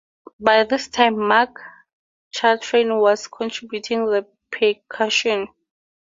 By this time Marc Chartrain was contributing the percussion.